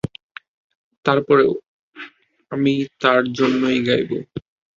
তারপরেও, আমি তার জন্যেই গাইবো।